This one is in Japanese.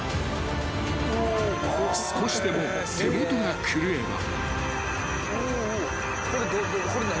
［少しでも手元が狂えば］